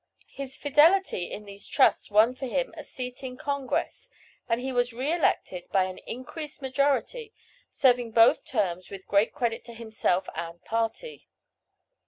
His fidelity in these trusts won for him a seat in Congress, and he was re elected by an increased majority, serving both terms with great credit to himself and party.